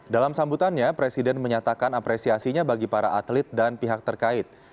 dalam sambutannya presiden menyatakan apresiasinya bagi para atlet dan pihak terkait